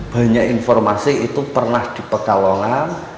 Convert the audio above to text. banyak informasi itu pernah di pekalongan